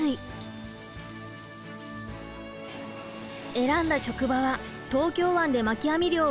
選んだ職場は東京湾で巻き網漁をする船。